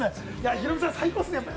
ヒロミさん、最高ですね。